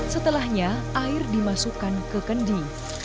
setelahnya air dimasukkan ke kendi